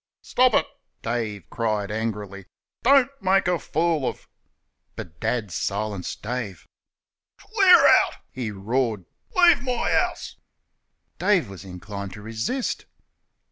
"Stop it!" Dave cried angrily, "don't make a fool o' " But Dad silenced Dave. "Clear out!" he roared, shoving him; "leave my house." Dave was inclined to resist.